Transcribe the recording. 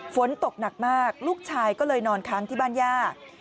ฝนตกหนักมากลูกชายก็เลยนอนค้างที่บ้านย่า